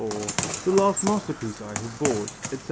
or "the last masterpiece I have bought," etc.